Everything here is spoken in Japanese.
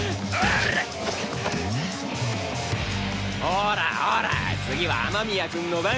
ほらほら次は雨宮君の番。